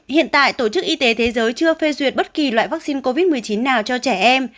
hiện tại tổ chức y tế thế giới chưa phê duyệt bất kỳ loại vaccine covid một mươi chín nào cho trẻ em